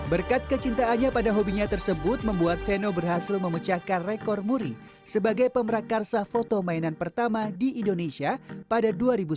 berkat kecintaannya pada hobinya tersebut membuat seno berhasil memecahkan rekor muri sebagai pemerakarsa foto mainan pertama di indonesia pada dua ribu sepuluh